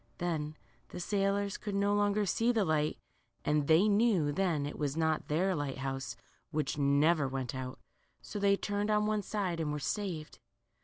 Then the sailors could no more see the light, and they knew then it was not their light house, which never went out ; so they turned on one side and were saved.